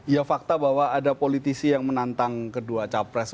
ya fakta bahwa ada politisi yang menantang kedua capres